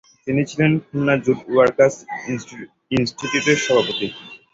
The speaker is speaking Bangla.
তিনি ছিলেন খুলনা জুট ওয়ার্কার্স ইনস্টিটিউটের সভাপতি।